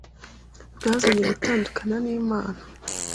bwazanye gutandukana n’Imana